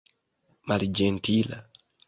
malĝentila